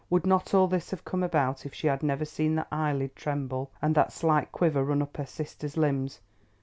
Would not all this have come about if she had never seen that eyelid tremble, and that slight quiver run up her sister's limbs?